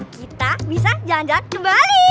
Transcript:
kita bisa jalan jalan ke bali